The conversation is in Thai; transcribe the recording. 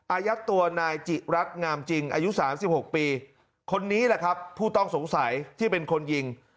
อายัดตัวนายจิรัตน์งามจริงอายุ๓๖ปีคนนี้แหละครับผู้ต้องสงสัยที่เป็นคนยิง